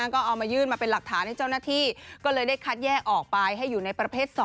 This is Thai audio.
ก็เอามายื่นมาเป็นหลักฐานให้เจ้าหน้าที่ก็เลยได้คัดแยกออกไปให้อยู่ในประเภท๒